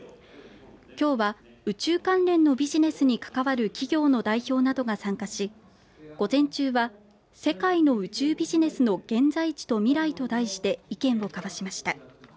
きょうは宇宙関連のビジネスに関わる企業の代表などが参加し午前中は、世界の宇宙ビジネスの現在地と未来と題して意見を交わしました。